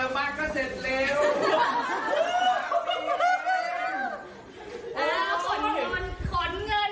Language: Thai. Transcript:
โหมันล่มกันเย็นแล้วกันอยู่เย็นเป็นสูบข้าวปลาอาหารมีพร้อมเลย